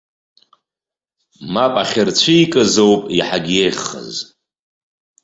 Мап ахьырцәикызоуп иаҳагьы еиӷьхаз.